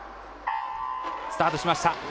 スタートしました。